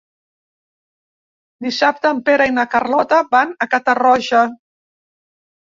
Dissabte en Pere i na Carlota van a Catarroja.